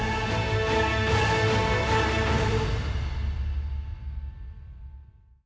โปรดติดตามตอนต่อไป